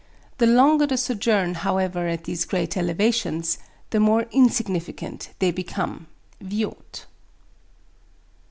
The longer the sojourn however at these great elevations, the more insignificant they become (Viault).